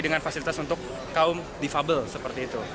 dengan fasilitas untuk kaum defable